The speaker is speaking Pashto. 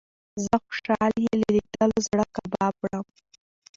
زه خوشال يې له ليدلو زړه کباب وړم